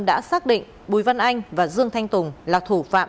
đã xác định bùi văn anh và dương thanh tùng là thủ phạm